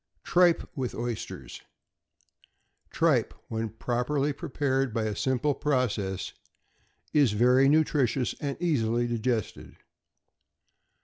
=Tripe with Oysters.= Tripe, when properly prepared by a simple process, is very nutritious and easily digested.